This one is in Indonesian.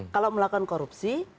kalau melakukan korupsi